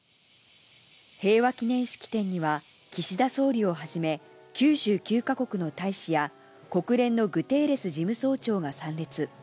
平和記念式典には、岸田総理をはじめ、９９か国の大使や、国連のグテーレス事務総長が参列。